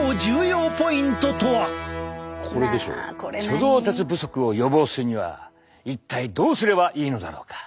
貯蔵鉄不足を予防するには一体どうすればいいのだろうか。